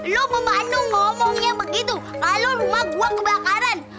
lo pembantu ngomongnya begitu lalu rumah gue kebakaran